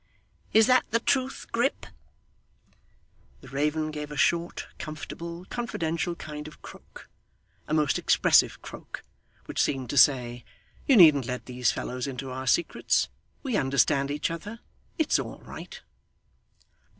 Is that the truth, Grip?' The raven gave a short, comfortable, confidential kind of croak; a most expressive croak, which seemed to say, 'You needn't let these fellows into our secrets. We understand each other. It's all right.